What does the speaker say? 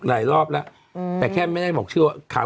หลายรอบแล้วแต่แค่ไม่ได้บอกชื่อ